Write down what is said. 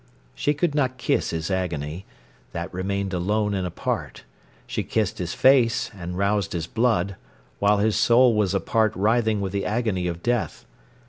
She could not kiss his agony. That remained alone and apart. She kissed his face, and roused his blood, while his soul was apart writhing with the agony of death.